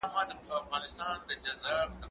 زه اوس سبزېجات خورم!؟